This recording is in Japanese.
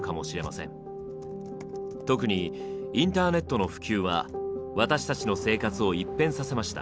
特にインターネットの普及は私たちの生活を一変させました。